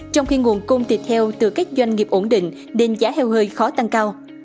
trong khi nguồn cung tịt heo từ các doanh nghiệp ổn định đến giá heo hơi khó tăng cao